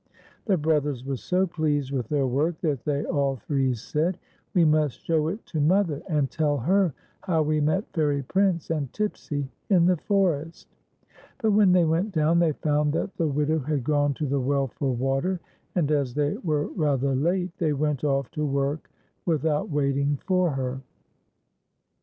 The brothers were so pleased with their work that they all three said, " We must show it to mother, and tell her how we met Fairy Prince and Tipsy in the forest." But when they went down, they found that the widow had gone to the well for water, and as they were rather late, they went off to work without waiting for her.